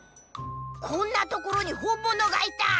こんなところにほんものがいた！